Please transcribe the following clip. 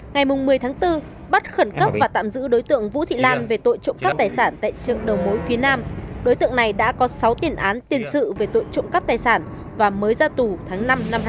ngày một mươi bốn bắt khẩn cấp và tạm giữ đối tượng vũ thị lan về tội trộm cấp tài sản tại trượng đầu mối phía nam đối tượng này đã có sáu tiền án tiền sự về tội trộm cấp tài sản và mới ra tù tháng năm hai nghìn một mươi chín